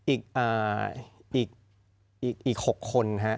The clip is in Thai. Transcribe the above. อีก๖คนค่ะ